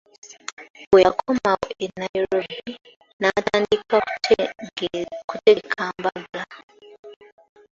Bwe yakomawo e Nairobi, n'atandika kutegeka mbaga.